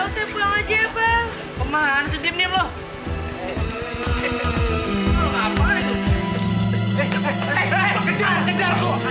saya mau dibawa kemana sih